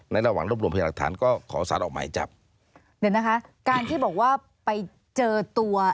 ระหว่างรวบรวมพยาหลักฐานก็ขอสารออกหมายจับเดี๋ยวนะคะการที่บอกว่าไปเจอตัว